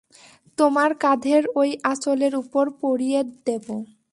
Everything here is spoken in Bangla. তোমার কাঁধের ঐ আঁচলের উপর পরিয়ে দেব?